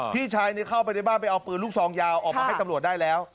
พี่ชายเข้าไปในบ้านไปเอาปืนลูกซองยาวออกมาให้ตำรวจได้แล้ว